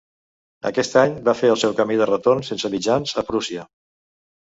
Aquest any, va fer el seu camí de retorn, sense mitjans, a Prússia.